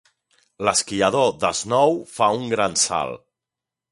L'esquiador de snow fa un gran salt.